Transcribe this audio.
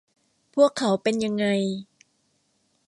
พวกเขาเป็นยังไง